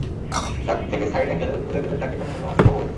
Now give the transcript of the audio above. Truck থেকে side angle খুলে ফেললে ট্রাকে পণ্য পরিবহন সম্ভব হবে না।